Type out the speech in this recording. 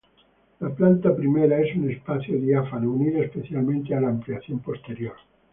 La planta primera es un espacio diáfano unido espacialmente a la ampliación posterior.